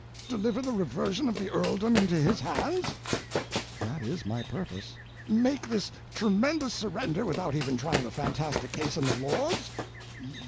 Deliver the reversion of the earldom into his hands?" "That is my purpose." "Make this tremendous surrender without even trying the fantastic case in the Lords?"